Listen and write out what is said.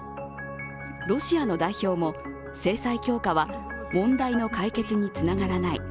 ロシアの代表も、制裁強化は問題の解決につながらない。